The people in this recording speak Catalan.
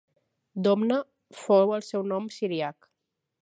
Domna fou el seu nom siríac.